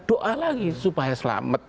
doa lagi supaya selamat